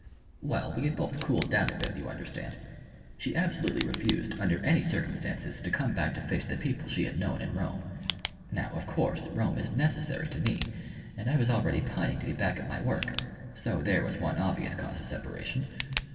"Well, we had both cooled down a bit, you understand. She absolutely refused, under any circumstances, to come back to face the people she had known in Rome. Now, of course, Rome is necessary to me, and I was already pining to be back at my work so there was one obvious cause of separation.